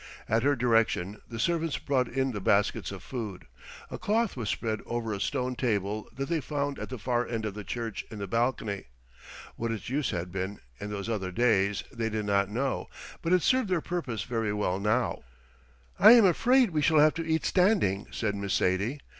At her direction the servants brought in the baskets of food. A cloth was spread over a stone table that they found at the far end of the church in the balcony. What its use had been, in those other days, they did not know, but it served their purpose very well now. "I am afraid we shall have to eat standing," said Miss Sadie.